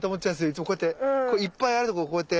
いつもこうやっていっぱいあるところこうやって。